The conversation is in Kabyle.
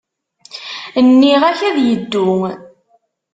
Nniɣ-ak ad yeddu.